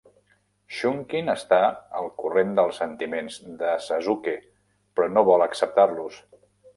Shunkin està al corrent dels sentiments de Sasuke, però no vol acceptar-los.